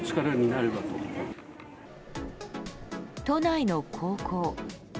都内の高校。